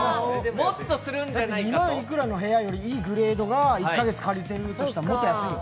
２万いくらの部屋よりもっといいグレードの部屋が１か月借りてるとしたらもっと安い。